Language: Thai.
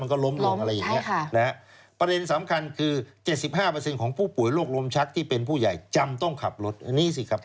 ๑๕ก็เขาว่าจำเป็นต้องขับรถล่ะครับ